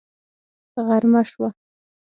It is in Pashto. غرمه شوه